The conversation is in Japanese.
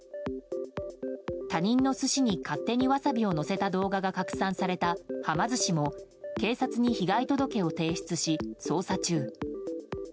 他人の寿司に勝手にわさびをのせた動画が拡散されたはま寿司も警察に被害届を提出し捜査中。